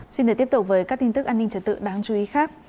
xin để tiếp tục với các tin tức an ninh trật tự đáng chú ý khác